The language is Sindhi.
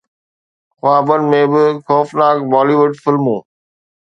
خوابن ۾ به خوفناڪ بالي ووڊ فلمون